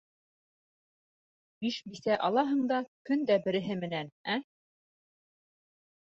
Биш бисә алаһың да, көн дә береһе менән, ә?